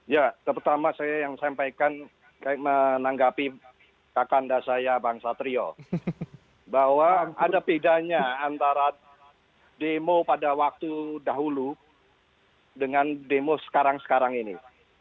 ya pertama saya yang sampaikan menanggapi kakanda saya bang satrio bahwa ada bedanya antara demo pada waktu dahulu dengan demo sekarang sekarang ini